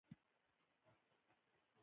شېبه وروسته يې لاس د ښځې مټ ته ور ورسېد.